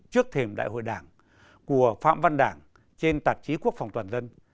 trước thềm đại hội đảng của phạm văn đảng trên tạp chí quốc phòng toàn dân